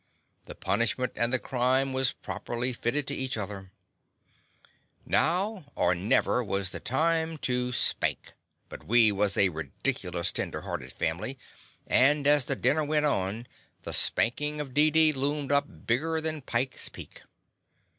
The punishment and the crime was properly fitted to each other. The Confessions of a Daddy Now, or never, was the time to spank; but we was a ridiculous ten der hearted family, and, as the dinner went on, the spankin' of Deedee loomed up bigger than Pike's Peak.